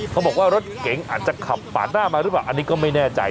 เขาบอกว่ารถเก๋งอาจจะขับปาดหน้ามาหรือเปล่าอันนี้ก็ไม่แน่ใจ